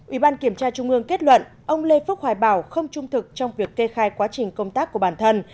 ủy ban kiểm tra trung ương kết luận ông lê phúc hoài bảo không trung thực trong việc kê khai quá trình công tác của bản thân